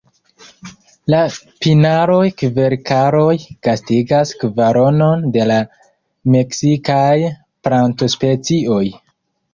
La pinaroj-kverkaroj gastigas kvaronon de la meksikaj plantospecioj.